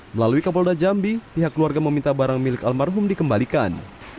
melalui kapolda jambi pihak keluarga meminta barang milik almarhum dikembalikan